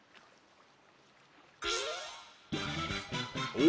お？